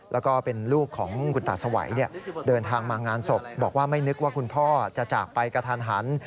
แล้วก็เป็นลูกของคุณตาสวัยเดินทางมางานศพบอกว่าไม่นึกว่าคุณพ่อจะจากไปกระทันหัน